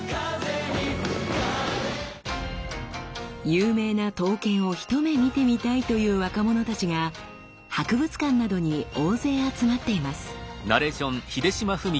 有名な刀剣を一目見てみたいという若者たちが博物館などに大勢集まっています。